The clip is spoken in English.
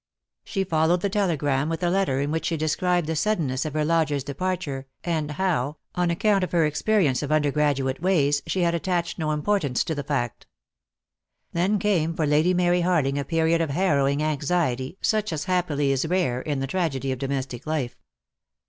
She followed the telegram with a letter in which she described the suddenness of her lodger's de parture, and how, on account of her experience of undergraduate ways, she had attached no importance to the fact. Then came for Lady Mary Harling a period of harrowing anxiety such as happily is rare in the tragedy of domestic life.